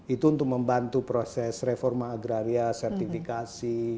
itu untuk membantu proses reforma agraria sertifikasi